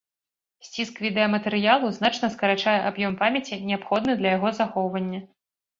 Сціск відэаматэрыялу значна скарачае аб'ём памяці, неабходны для яго захоўвання.